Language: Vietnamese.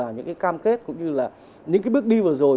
những cái cam kết cũng như là những cái bước đi vừa rồi